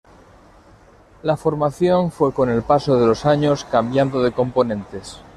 La formación fue con el paso de los años cambiando de componentes.